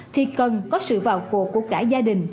thì cần có sự vào cuộc của cả gia đình